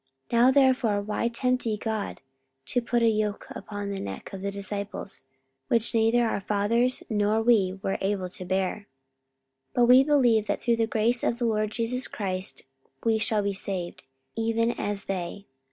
44:015:010 Now therefore why tempt ye God, to put a yoke upon the neck of the disciples, which neither our fathers nor we were able to bear? 44:015:011 But we believe that through the grace of the LORD Jesus Christ we shall be saved, even as they.